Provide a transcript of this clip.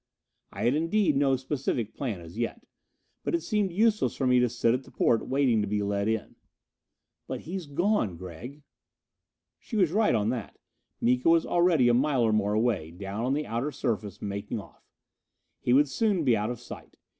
I had indeed no specific plan as yet. But it seemed useless for me to sit at the porte waiting to be let in. "But he's gone, Gregg." She was right on that. Miko was already a mile or more away, down on the outer surface, making off. He would soon be out of sight.